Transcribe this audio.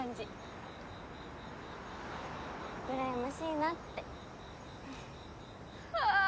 うらやましいなって。はああ！